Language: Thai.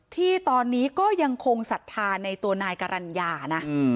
ที่ตอนนี้ก็ยังคงศรัทธาในตัวนายกรรณญานะ